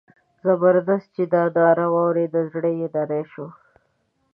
زبردست چې دا ناره واورېده زړه یې نری شو.